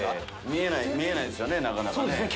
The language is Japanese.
見えないですよねなかなかね。